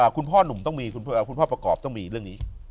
คุณพ่อหนุ่มต้องมีคุณพ่อประกอบต้องมีเรื่องนี้